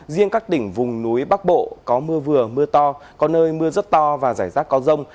riêng các tỉnh vùng núi bắc bộ có mưa vừa mưa to có nơi mưa rất to và rải rác có rông